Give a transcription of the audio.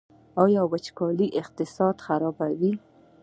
آیا وچکالي اقتصاد خرابوي؟